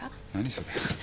それ。